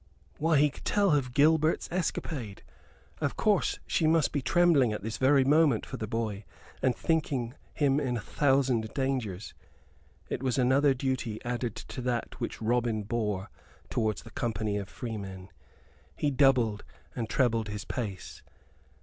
Why, he could tell her of Gilbert's escapade! Of course she must be trembling at this very moment for the boy and thinking him in a thousand dangers! It was another duty added to that to which Robin bore towards the company of freemen. He doubled and trebled his pace.